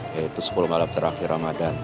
yaitu sepuluh malam terakhir ramadan